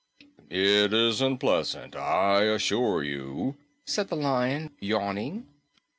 "It isn't pleasant, I assure you," said the Lion, yawning.